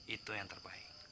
itu yang terbaik